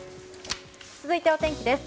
続いて、お天気です。